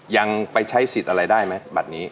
ยังไปใช้สิทธิ์อะไรได้ไหมบัตรนี้